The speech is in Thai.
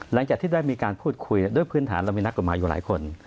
หลังจากที่ได้มีการพูดคุยด้วยพื้นฐานเรามีนักกฎหมายอยู่หลายคน